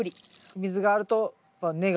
水があると根が。